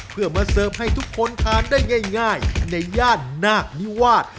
เพื่อมาเสิร์ฟให้ทุกคนทานได้ง่ายในย่านนาคนิวาส